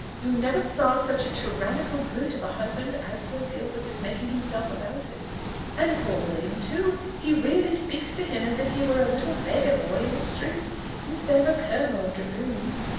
You never saw such a tyrannical brute of a husband as Sir Gilbert is making himself about it! And poor William, too he really speaks to him as if he were a little beggar boy in the streets, instead of a colonel of dragoons.